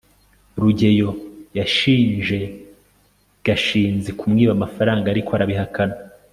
rugeyo yashinje gashinzi kumwiba amafaranga, ariko arabihakana